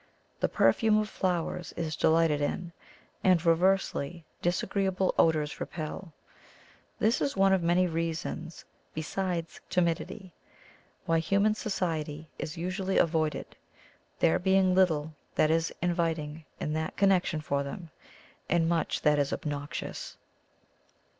The perfume of flowers is delighted in, and, reversely, disagreeable odours repel. This is one of many reasons, besides timidity, why human society is usu ally avoided, there being little that is invit ing in that connection for them, and much that is obnoxious.